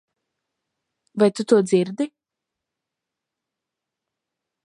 Vai tu to dzirdi?